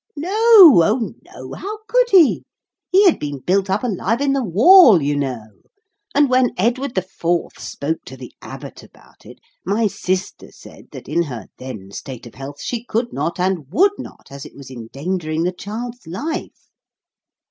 "No oh no how could he? he had been built up alive in the wall, you know, and when Edward IV spoke to the abbot about it, my sister said that in her then state of health she could not and would not, as it was endangering the child's life.